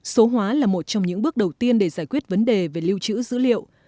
số hóa là một trong những bước đầu tiên để giải quyết vấn đề về lưu trữ dữ liệu